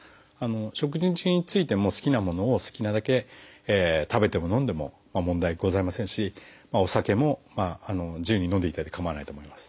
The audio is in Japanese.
食事についても好きなものを好きなだけ食べても飲んでも問題ございませんしお酒も自由に飲んでいただいてかまわないと思います。